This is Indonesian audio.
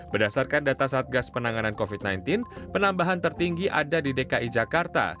berdasarkan data satgas penanganan covid sembilan belas penambahan tertinggi ada di dki jakarta